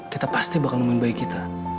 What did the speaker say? kita pasti bakal memimpin bayi kita